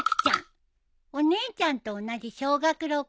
お姉ちゃんと同じ小学６年生。